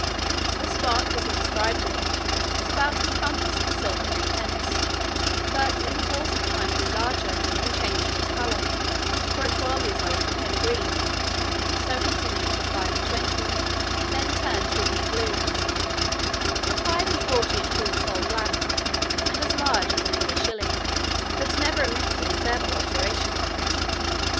The spot, as he described it, "was about the compass of a silver threepence, but in the course of time grew larger, and changed its colour; for at twelve years old it became green, so continued till five and twenty, then turned to a deep blue: at five and forty it grew coal black, and as large as an English shilling; but never admitted any further alteration."